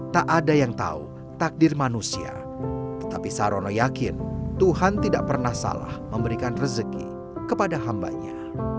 tak ada yang tahu takdir manusia tetapi sarono yakin tuhan tidak pernah salah memberikan rezeki kepada hambanya